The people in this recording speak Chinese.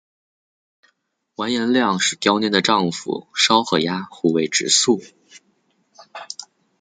完颜亮使习拈的丈夫稍喝押护卫直宿。